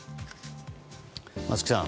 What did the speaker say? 松木さん